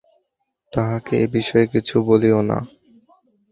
তাঁহাকে এ বিষয়ে কিছু বলিও না।